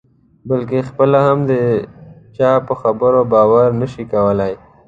بلکې خپله هم د چا په خبرو باور نه شي کولای.